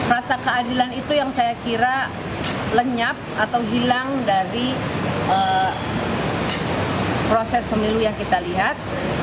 rasa keadilan itu yang saya kira lenyap atau hilang dari proses pemilu yang kita lihat